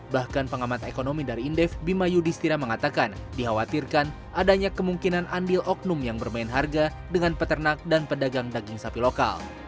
bahkan pengamat ekonomi dari indef bima yudhistira mengatakan dikhawatirkan adanya kemungkinan andil oknum yang bermain harga dengan peternak dan pedagang daging sapi lokal